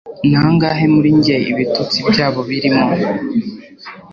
Nangahe muri njye ibitutsi byabo birimo